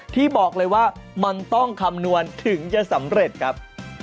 ที่บอกเลยว่ามันต้องคำนวณถึงจะสำเร็จครับ